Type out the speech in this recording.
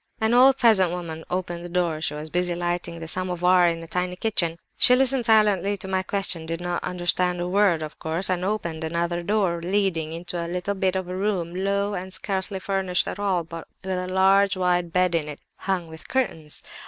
"An old peasant woman opened the door; she was busy lighting the 'samovar' in a tiny kitchen. She listened silently to my questions, did not understand a word, of course, and opened another door leading into a little bit of a room, low and scarcely furnished at all, but with a large, wide bed in it, hung with curtains.